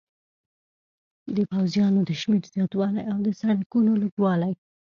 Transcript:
د پوځیانو د شمېر زیاتوالی او د سړکونو لږوالی.